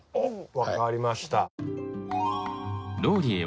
分かりました。